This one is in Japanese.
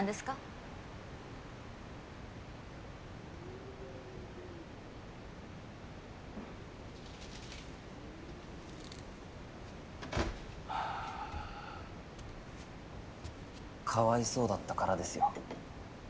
かわいそうだったからですよ。